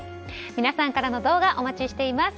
皆さんからの動画お待ちしています。